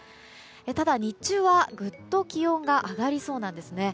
ただ、日中はグッと気温が上がりそうなんですね。